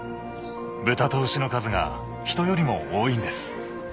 豚と牛の数が人よりも多いんです。